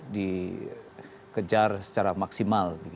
di kejar secara maksimal